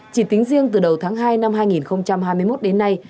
chỉ tính riêng từ đầu tháng hai năm hai nghìn hai mươi một đến nay